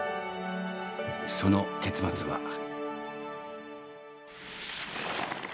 その結末は？